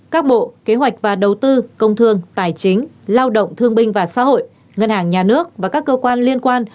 các bộ kế hoạch và đầu tư công thương tài chính lao động thương binh và xã hội ngân hàng nhà nước và các cơ quan liên quan